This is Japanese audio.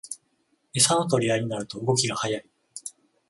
エサの取り合いになると動きが速い